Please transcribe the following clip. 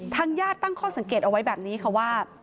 ทางญาติตั้งข้อสังเกตเอาไว้แบบนี้ค่ะว่า